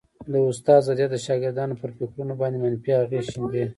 د استاد ضدیت د شاګردانو پر فکرونو باندي منفي اغېز شیندي